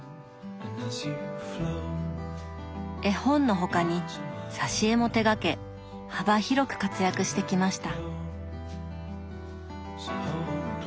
絵本の他に挿絵も手がけ幅広く活躍してきました。